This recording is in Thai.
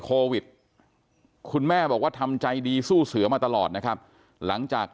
โควิดคุณแม่บอกว่าทำใจดีสู้เสือมาตลอดนะครับหลังจาก